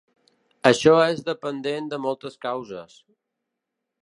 Això és dependent de moltes causes.